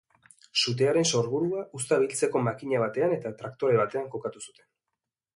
Sutearen sorburua uzta biltzeko makina batean eta traktore batean kokatu zuten.